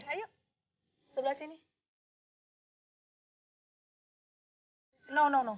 tidak tidak tidak